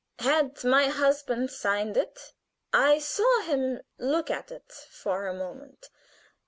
Had my husband signed it? I saw him look at it for a moment.